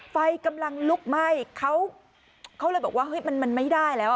ไฟกำลังลุกไหม้เขาเขาเลยบอกว่าเฮ้ยมันไม่ได้แล้ว